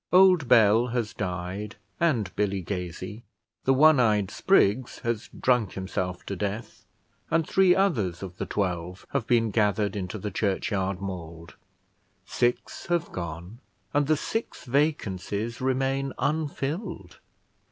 Old Bell has died, and Billy Gazy; the one eyed Spriggs has drunk himself to death, and three others of the twelve have been gathered into the churchyard mould. Six have gone, and the six vacancies remain unfilled!